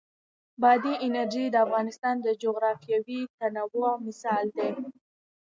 بادي انرژي د افغانستان د جغرافیوي تنوع مثال دی.